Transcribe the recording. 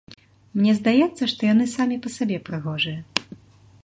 Мне здаецца, што яны самі па сабе прыхожыя.